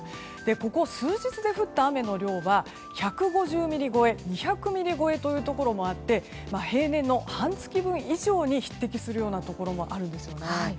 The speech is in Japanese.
ここ数日で降った雨の量は１５０ミリ超え、２００ミリ超えというところもあって平年の半月分以上に匹敵するところもあるんです。